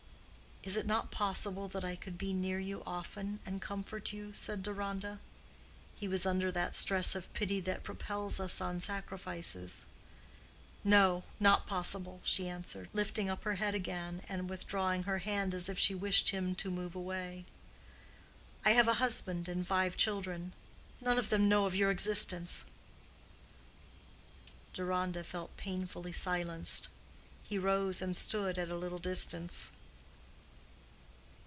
"Is it not possible that I could be near you often and comfort you?" said Deronda. He was under that stress of pity that propels us on sacrifices. "No, not possible," she answered, lifting up her head again and withdrawing her hand as if she wished him to move away. "I have a husband and five children. None of them know of your existence." Deronda felt painfully silenced. He rose and stood at a little distance.